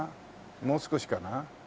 もう少しかな？